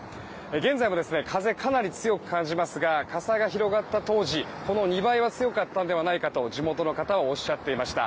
現在も風、かなり強く感じますが火災が広がった当時この２倍は強かったのではないかと地元の方はおっしゃっていました。